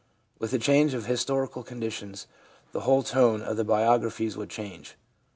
With a change of historical conditions the whole tone of the biographies would change.